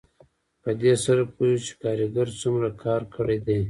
په دې سره پوهېږو چې کارګر څومره کار کړی دی